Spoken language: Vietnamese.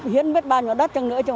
hiến biết bao nhiêu đất chăng nữa